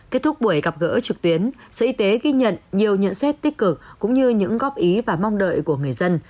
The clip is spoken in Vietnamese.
để gặp gỡ trực tuyến sở y tế ghi nhận nhiều nhận xét tích cực cũng như những góp ý và mong đợi của người dân